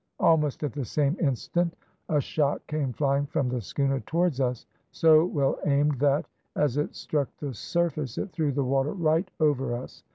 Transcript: Almost at the same instant a shot came flying from the schooner towards us, so well aimed that, as it struck the surface, it threw the water right over us.